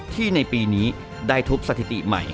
ในปีนี้ได้ทุบสถิติใหม่